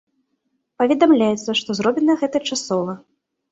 Паведамляецца, што зроблена гэта часова.